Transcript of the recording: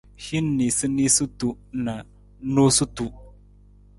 Hin niisaniisatu na noosutu.